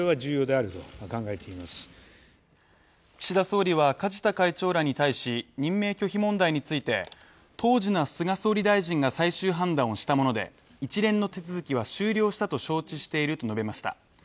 岸田総理は梶田会長らに対し、任命拒否問題について当時の菅総理大臣が最終判断をしたもので、一連の手続きは終了したと承知していると述べました。